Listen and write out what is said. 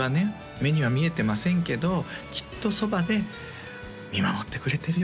目には見えてませんけどきっとそばで見守ってくれてるよ